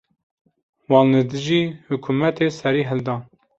Wan li dijî hikûmetê serî hildan.